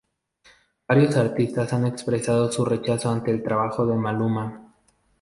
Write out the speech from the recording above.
Varios artistas han expresado su rechazo ante el trabajo de Maluma.